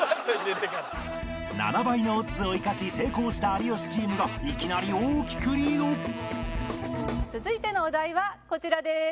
７倍のオッズを生かし成功した有吉チームがいきなり大きくリード続いてのお題はこちらです。